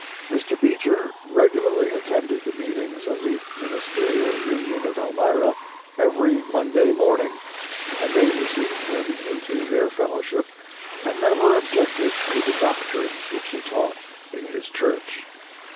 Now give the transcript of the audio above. Mr. Beecher regularly attended the meetings of the Ministerial Union of Elmira every Monday morning, and they received him into their fellowship, and never objected to the doctrines which he taught in his church.